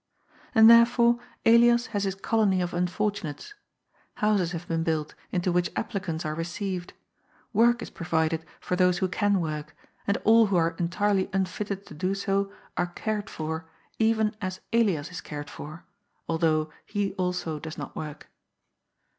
And, therefore, Elias has his colony of unfortunates. Houses have been built, into which applicants are received. Work is provided for those who can work, and all who are entirely unfitted to do so, are cared for, even as Elias is cared for, although he also does not work.